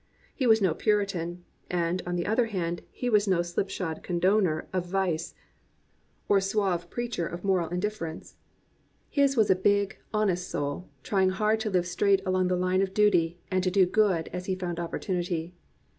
He was no puritan; and, on the other hand, he was no slip shod condoner of vice or suave preacher of moral 327 COMPANIONABLE BOOKS indifference. He was a big, honest soul, trying hard to live straight along the line of duty and to do good as he found opportunity.